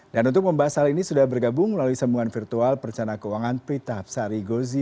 dan untuk membahas hal ini sudah bergabung melalui sembuhan virtual percana keuangan prita hapsari gozi